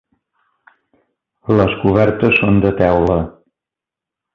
Les cobertes són de teula.